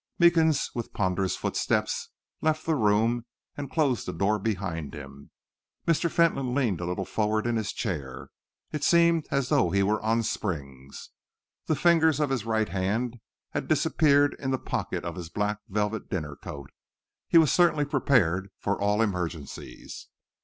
Meekins, with ponderous footsteps, left the room and closed the door behind him. Mr. Fentolin leaned a little forward in his chair. It seemed as though he were on springs. The fingers of his right hand had disappeared in the pocket of his black velvet dinner coat. He was certainly prepared for all emergencies.